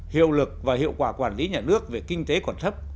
hiệu lực và hiệu quả quản lý nhà nước về kinh tế còn thấp